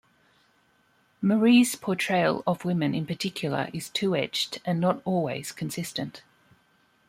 Marie's portrayal of women in particular is two-edged and not always consistent.